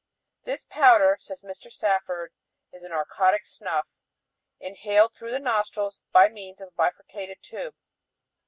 This powder, says Mr. Safford, is a narcotic snuff "inhaled through the nostrils by means of a bifurcated tube."